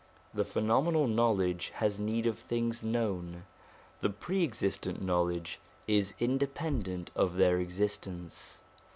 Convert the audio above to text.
The phenomenal knowledge has need of things known, the Pre existent Knowledge is independent of their existence.